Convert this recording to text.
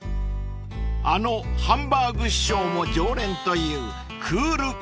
［あのハンバーグ師匠も常連という］